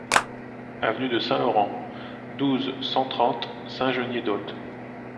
Avenue de Saint-Laurent, douze, cent trente Saint-Geniez-d'Olt